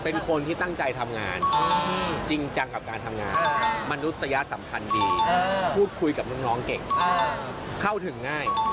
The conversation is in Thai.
เป็นคนที่ตั้งใจทำงานจริงจังกับการทำงานมนุษยสัมพันธ์ดีพูดคุยกับน้องเก่งเข้าถึงง่าย